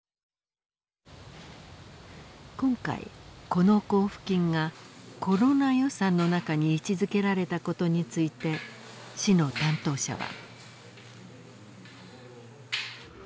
今回この交付金がコロナ予算の中に位置づけられたことについて市の担当者は。